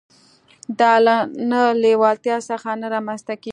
دا له نه لېوالتيا څخه نه رامنځته کېږي.